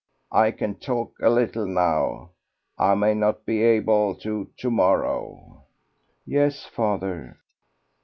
I can talk a little now: I may not be able to to morrow." "Yes, father."